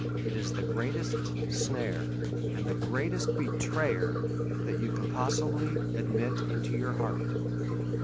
It is the greatest snare and the greatest betrayer, that you can possibly admit into your heart.